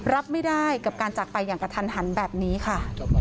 รับไม่ได้กับการจากไปอย่างกระทันหันแบบนี้ค่ะ